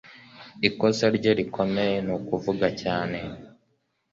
Ikosa rye rikomeye nukuvuga cyane